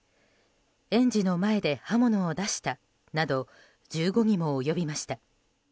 園児の前で刃物を出したなど１５にも及びました。